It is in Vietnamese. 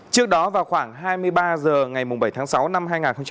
trước đó vào khoảng hai mươi ba h ngày bảy tháng sáu năm hai nghìn hai mươi